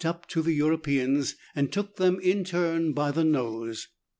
47 up to the Europeans, and took them in turn by the nose.